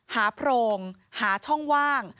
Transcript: โพรงหาช่องว่าง